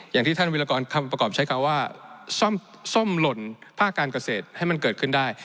อย่างที่ท่านวิรากรคำประกอบใช้คำว่าซ่อมหล่นภาคการเกษตรให้มันเกิดขึ้นได้